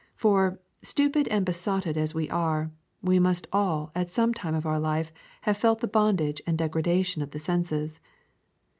For, stupid and besotted as we are, we must all at some time of our life have felt the bondage and degradation of the senses.